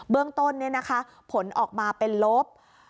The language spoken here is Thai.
เบื้องต้นนี่นะคะผลออกมาเป็นลบ